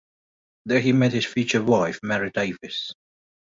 There he met his future wife, Mary Davis.